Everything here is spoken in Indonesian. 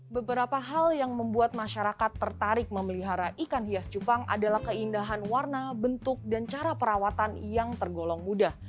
beberapa hal yang membuat masyarakat tertarik memelihara ikan hias cupang adalah keindahan warna bentuk dan cara perawatan yang tergolong mudah